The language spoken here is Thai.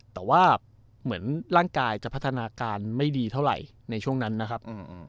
แต่ว่าเหมือนร่างกายจะพัฒนาการไม่ดีเท่าไหร่ในช่วงนั้นนะครับ